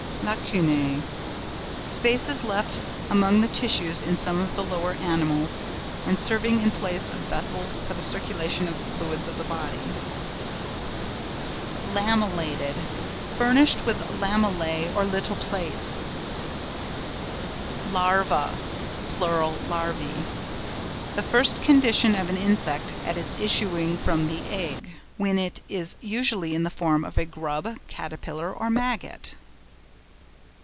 LACUNÆ.—Spaces left among the tissues in some of the lower animals and serving in place of vessels for the circulation of the fluids of the body. LAMELLATED.—Furnished with lamellæ or little plates. LARVA (pl. LARVÆ).—The first condition of an insect at its issuing from the egg, when it is usually in the form of a grub, caterpillar, or maggot.